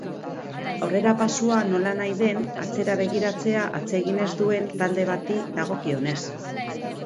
Aurrerapausoa, nolanahi den, atzera begiratzea atsegin ez duen talde bati dagokionez.